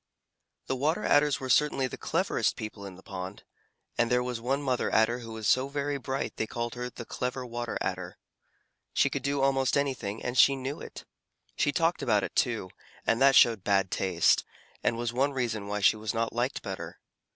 The Water Adders were certainly the cleverest people in the pond, and there was one Mother Adder who was so very bright that they called her "the Clever Water Adder." She could do almost anything, and she knew it. She talked about it, too, and that showed bad taste, and was one reason why she was not liked better.